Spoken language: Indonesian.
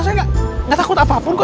saya nggak takut apapun kok